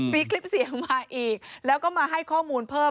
มีคลิปเสียงมาอีกแล้วก็มาให้ข้อมูลเพิ่ม